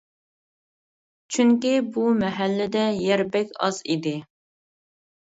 چۈنكى بۇ مەھەللىدە يەر بەك ئاز ئىدى.